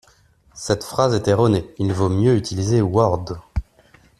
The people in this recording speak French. Cette phrase est erronée : il vaut mieux utiliser Word